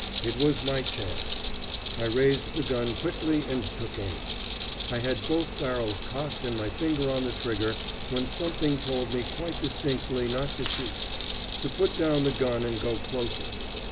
It was my chance. I raised the gun quickly and took aim. I had both barrels cocked and my finger on the trigger, when something told me quite distinctly not to shoot; to put down the gun and go closer.